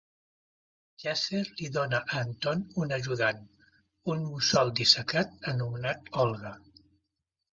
Geser li dona a Anton un ajudant, un mussol dissecat anomenat Olga.